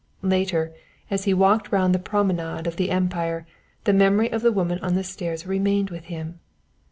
Later, as he walked round the promenade of the Empire the memory of the woman on the stairs remained with him.